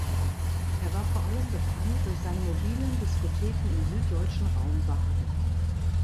Er war vor allem bekannt durch seine mobilen Discotheken im süddeutschen Raum Baden.